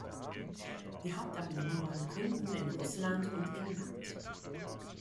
Die Hauptabnehmer waren Kunden in Russland und England.